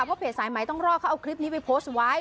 เพราะเพจสายใหม่ต้องรอดเขาเอาคลิปนี้ไปโพสต์ไว้